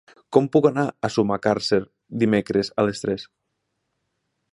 Com puc anar a Sumacàrcer dimecres a les tres?